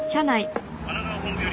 神奈川本部より各局。